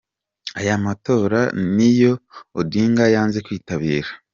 Aya matora niyo Odinga yanze kwitabira.